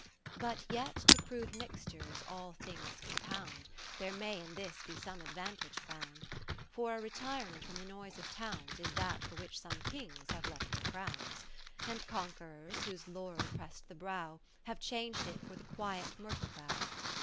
But yet to prove mixtures all things compound, There may in this be some advantage found ; 10 For a retirement from the noise of towns, Is that for which some kings have left their crowns : And conquerors, whose laurel press'd the brow. Have chang'd it for the quiet myrtle bough.